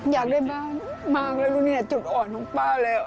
อยากได้บ้านมากเลยรู้ไหมจุดอ่อนของป้าเลย